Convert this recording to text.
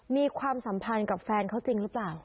มีความสัมพันธ์กับแฟนเขาจริงหรือเปล่า